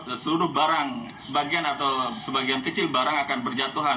seluruh barang sebagian atau sebagian kecil barang akan berjatuhan